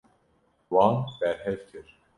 Wan berhev kir.